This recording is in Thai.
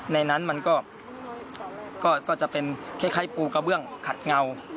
ในนั้นมันก็จะเป็นคล้ายปูกระเบื้องขัดเงา